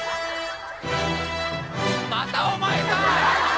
またお前か！